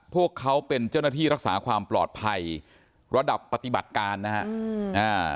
พวกเขาเป็นเจ้าหน้าที่รักษาความปลอดภัยระดับปฏิบัติการนะฮะอืมอ่า